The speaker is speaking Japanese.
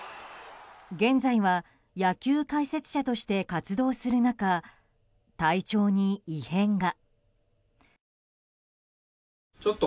現在は野球解説者として活動する中体調に異変が。